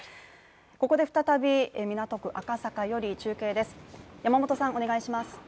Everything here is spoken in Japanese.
ここで再び、港区赤坂より中継です。